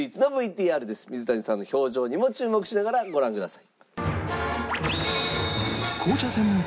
水谷さんの表情にも注目しながらご覧ください。